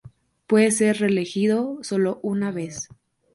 Puede ser reelegido solo una vez.